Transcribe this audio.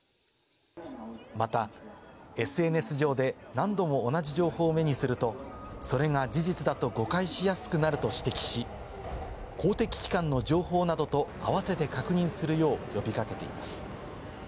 また、ＳＮＳ上で何度も同じ情報を目にすると、それが事実だと誤解しやすくなると指摘し、公的機関の情報などと合わせて確認するよう呼び掛けています。